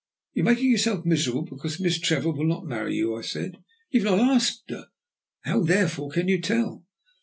"You are making yourself miserable because Miss Trevor will not marry you," I said. "You have not asked her, how therefore can you tell?"